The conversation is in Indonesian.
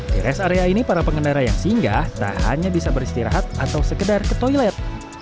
di rest area ini para pengendara yang singgah tak hanya bisa beristirahat atau sekedar ke toilet